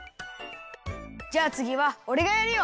じゃあつぎはおれがやるよ！